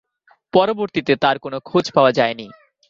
পরবর্তীতে তার কোন খোঁজ পাওয়া যায়নি।